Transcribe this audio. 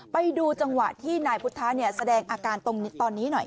ไปดูจังหวะที่นายพุทธะแสดงอาการตรงนี้หน่อย